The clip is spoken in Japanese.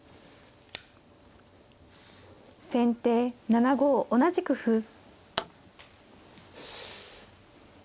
先手７五同じく歩。